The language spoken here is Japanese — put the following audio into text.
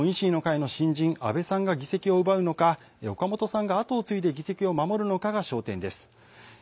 日本維新の会の新人、阿部さんが議席を奪うのか、岡本さんが後を継いで議席を守るのかが焦点です。